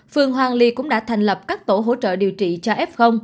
phường hoàng ly cũng đã thành lập các tổ hỗ trợ điều trị cho f